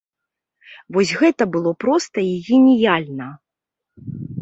Вось гэта было проста і геніяльна!